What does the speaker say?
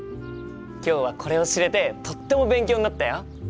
今日はこれを知れてとっても勉強になったよ！